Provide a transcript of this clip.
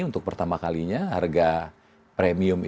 untuk pertama kalinya harga premium ini